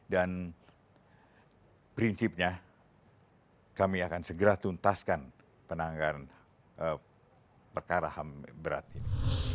dan prinsipnya kami akan segera tuntaskan penanganan perkara ham berat ini